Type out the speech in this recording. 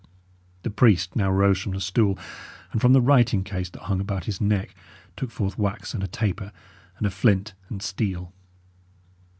The priest now rose from the stool, and from the writing case that hung about his neck took forth wax and a taper, and a flint and steel.